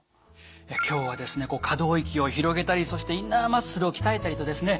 今日はですねこう可動域を広げたりそしてインナーマッスルを鍛えたりとですね